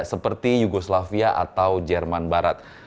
seperti yugoslavia atau jerman barat